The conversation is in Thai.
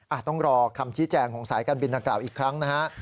อ่ะต้องรอคำชี้แจงของสายการบินต่างอีกครั้งนะครับ